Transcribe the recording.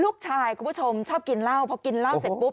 ลูกชายคุณผู้ชมชอบกินเล่าเพราะกินเล่าเสร็จปุ๊บ